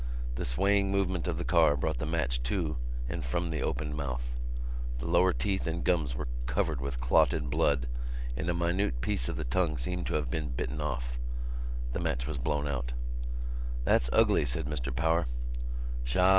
The swaying movement of the car brought the match to and from the opened mouth. The lower teeth and gums were covered with clotted blood and a minute piece of the tongue seemed to have been bitten off. The match was blown out. "That's ugly," said Mr Power.